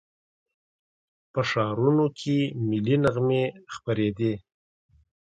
په ښارونو کې ملي نغمې خپرېدې.